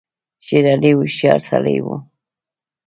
شېر علي هوښیار سړی وو.